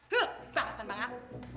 he bangetan banget